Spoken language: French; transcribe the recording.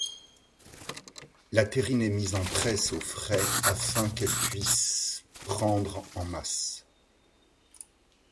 La terrine est mise en presse au frais afin qu'elle puis prendre en masse.